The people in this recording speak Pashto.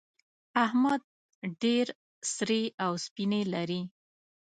احمد ډېر سرې او سپينې لري.